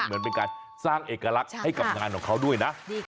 เหมือนเป็นการสร้างเอกลักษณ์ให้กับงานของเขาด้วยนะ